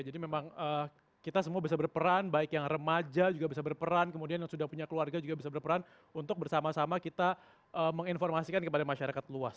jadi memang kita semua bisa berperan baik yang remaja juga bisa berperan kemudian yang sudah punya keluarga juga bisa berperan untuk bersama sama kita menginformasikan kepada masyarakat luas